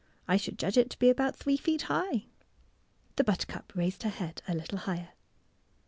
I should judge it to be about three feet high." The buttercup raised her head a little higher.